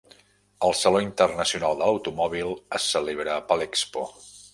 El Saló Internacional de l"Automòbil es celebra a Palexpo.